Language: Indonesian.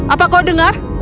apa kau dengar